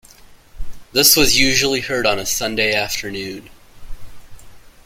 This was usually heard on a Sunday afternoon.